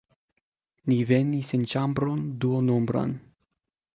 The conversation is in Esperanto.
Ni venis en ĉambron duonombran.